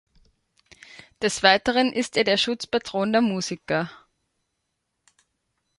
Des Weiteren ist er der Schutzpatron der Musiker.